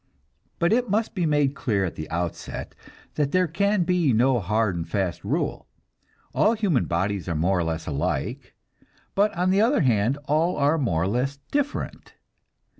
But it must be made clear at the outset that there can be no hard and fast rule. All human bodies are more or less alike, but on the other hand all are more or less different.